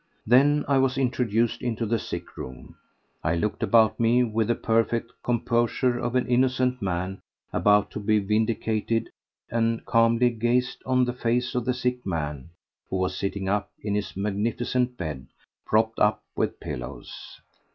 Then I was introduced into the sick room. I looked about me with the perfect composure of an innocent man about to be vindicated, and calmly gazed on the face of the sick man who was sitting up in his magnificent bed, propped up with pillows.